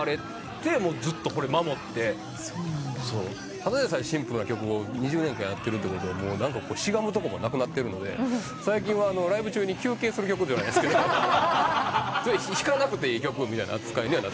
ただでさえシンプルな曲を２０年間やってるってことはしがむとこもなくなってるので最近はライブ中に休憩する曲ではないですけど弾かなくていい曲みたいな扱いにはなってる。